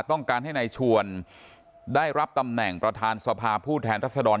ต้องการให้นายชวนได้รับตำแหน่งประธานสภาผู้แทนรัศดร